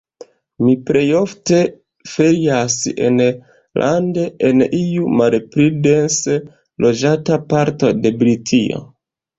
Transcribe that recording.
Mi plejofte ferias enlande, en iu malpli dense loĝata parto de Britio.